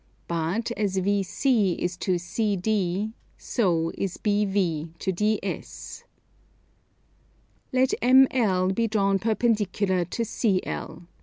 But as VC is to CD so is BV to DS. Let ML be drawn perpendicular to CL.